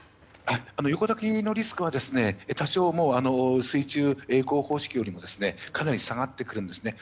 横抱きのリスクは水中曳航方式よりもかなり下がってくるんですね。